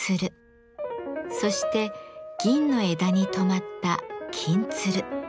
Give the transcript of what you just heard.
そして銀の枝にとまった「金鶴」。